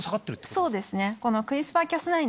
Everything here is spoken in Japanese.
そうですね。